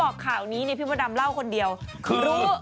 บอกวันนี้พี่พอดัมเล่าคนเดียวคือ